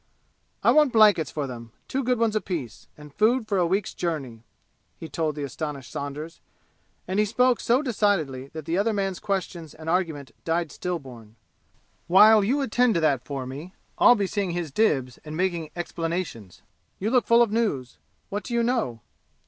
"I want blankets for them two good ones apiece and food for a week's journey!" he told the astonished Saunders; and he spoke so decidedly that the other man's questions and argument died stillborn. "While you attend to that for me, I'll be seeing his dibs and making explanations. You look full of news. What do you know?"